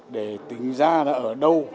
để tính ra là ở đâu